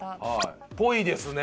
っぽいですね！